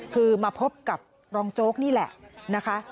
คือมาพบกับรองโจ๊กนี่แหละนะคะ